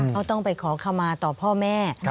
เขาต้องไปขอขมาต่อพ่อแม่